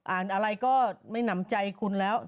อ่านอะไรก็ไม่หนำใจคุณแล้ว